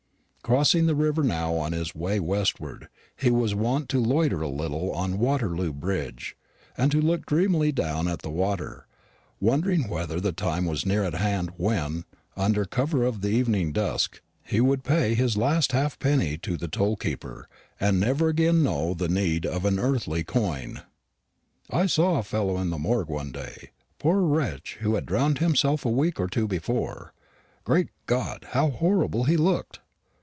Crossing the river now on his way westward, he was wont to loiter a little on Waterloo Bridge, and to look dreamily down at the water, wondering whether the time was near at hand when, under cover of the evening dusk, he would pay his last halfpenny to the toll keeper, and never again know the need of an earthly coin. "I saw a fellow in the Morgue one day, a poor wretch who had drowned himself a week or two before. Great God, how horrible he looked!